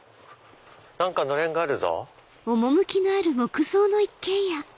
何かのれんがあるぞ。